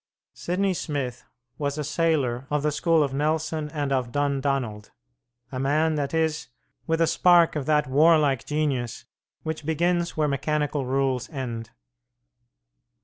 Sidney Smith was a sailor of the school of Nelson and of Dundonald a man, that is, with a spark of that warlike genius which begins where mechanical rules end.